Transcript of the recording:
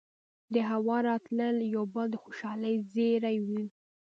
دهوا راتلل يو بل د خوشالۍ زېرے وو